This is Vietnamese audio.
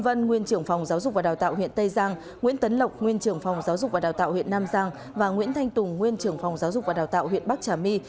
và nguyễn thanh tùng nguyên trưởng phòng giáo dục và đào tạo huyện bắc trà my